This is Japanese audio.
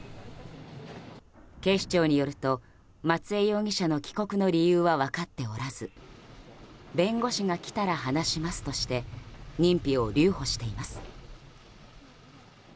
警視庁によると松江容疑者の帰国の理由は分かっておらず弁護士が来たら話しますとして認否を留保しています。